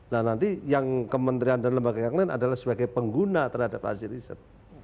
nah nanti yang kementerian dan lembaga yang lain adalah sebagai pengguna terhadap hasil riset